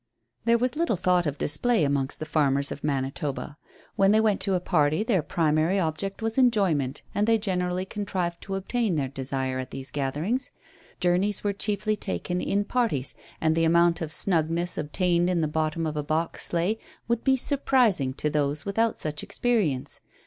There was little thought of display amongst the farmers of Manitoba. When they went to a party their primary object was enjoyment, and they generally contrived to obtain their desire at these gatherings. Journeys were chiefly taken in parties; and the amount of snugness obtained in the bottom of a box sleigh would be surprising to those without such experience.